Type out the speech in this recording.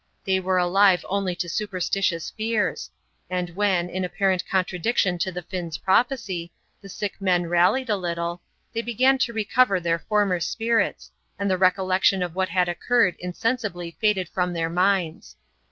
They were alive only to super stitious fears ; and when, in apparent contradiction to the Finn's prophecy, the sick men rallied a little, they began to recover their former spirits, and the recollection o^ what had occurred insensibly faded from their minds.